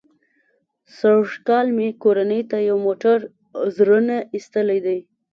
سږ کال مې کورنۍ ته یو موټر زړه نه ایستلی دی.